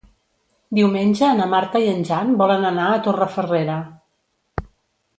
Diumenge na Marta i en Jan volen anar a Torrefarrera.